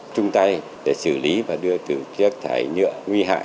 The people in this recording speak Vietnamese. chung tay để xử lý và đưa từ chất thải nhựa nguy hại